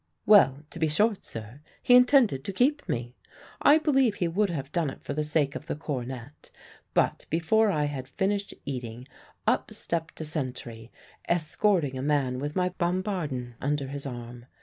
"Well, to be short, sir, he intended to keep me. I believe he would have done it for the sake of the cornet; but before I had finished eating, up stepped a sentry escorting a man with my bombardon under his arm.